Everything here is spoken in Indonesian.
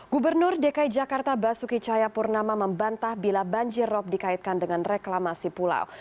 gubernur dki jakarta basuki cahayapurnama membantah bila banjir rob dikaitkan dengan reklamasi pulau